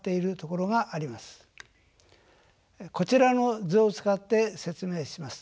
こちらの図を使って説明します。